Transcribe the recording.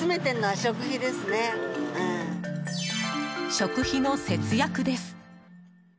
食費の節約です。